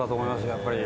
やっぱり。